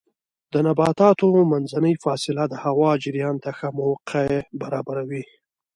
د نباتاتو منځنۍ فاصله د هوا جریان ته ښه موقع برابروي.